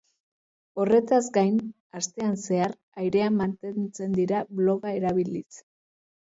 Horretaz gain, astean zehar, airean mantentzen dira bloga erabiliz.